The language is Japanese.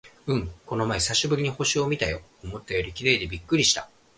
うん、この前久しぶりに星を見たよ。思ったより綺麗でびっくりした！